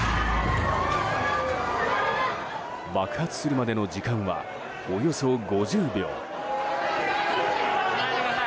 爆発するまでの時間はおよそ５０秒。